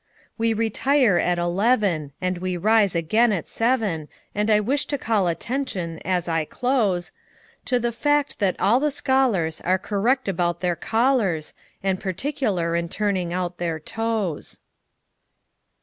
We retire at eleven, And we rise again at seven; And I wish to call attention, as I close, To the fact that all the scholarsAre correct about their collars, And particular in turning out their toes.